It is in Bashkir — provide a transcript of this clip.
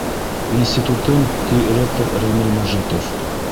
Институтым! — ти ректор Рәмил Мәжитов.